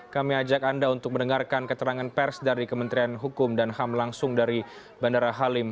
kami ajak anda untuk mendengarkan keterangan pers dari kementerian hukum dan ham langsung dari bandara halim